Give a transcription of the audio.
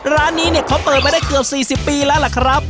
ร้านนี้เนี่ยเขาเปิดมาได้เกือบ๔๐ปีแล้วล่ะครับ